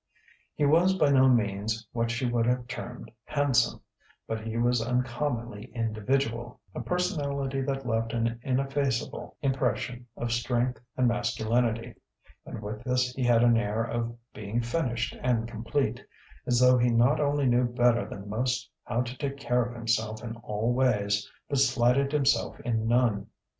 He was by no means what she would have termed handsome, but he was uncommonly individual, a personality that left an ineffaceable impression of strength and masculinity; and with this he had an air of being finished and complete, as though he not only knew better than most how to take care of himself in all ways, but slighted himself in none.